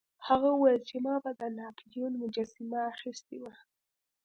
هغه وویل چې ما د ناپلیون مجسمه اخیستې وه.